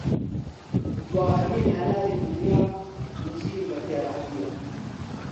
دواهەمین هەناری دونیا نوسینی بەختیار عەلییە